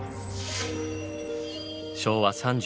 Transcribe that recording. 昭和３１年。